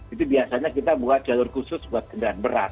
itu biasanya kita buat jalur khusus buat kendaraan berat